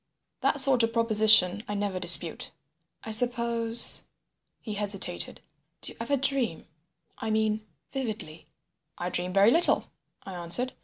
That sort of proposition I never dispute. "I suppose—" he hesitated. "Do you ever dream? I mean vividly." "I dream very little," I answered.